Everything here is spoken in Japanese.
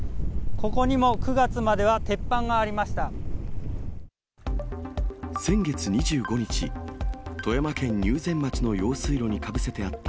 ここにも９月までは鉄板がありました。